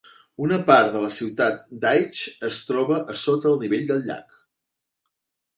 Una part de la ciutat d'Aitch es troba ara sota el nivell del llac.